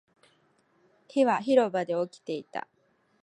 火は広場で起きていた